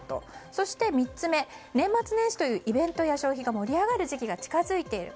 そして３つ目、年末年始というイベントや消費が盛り上がる時期が近づいている。